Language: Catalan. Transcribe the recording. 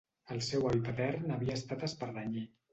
El seu avi patern havia estat espardenyer.